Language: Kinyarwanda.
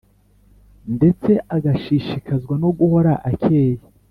Ndetse agashishikazwa no guhora akeye